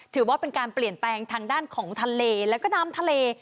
ถือว่าเป็นการเปลี่ยนแปลงทางด้านของทะเลแล้วก็น้ำทะเล